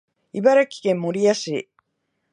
茨城県守谷市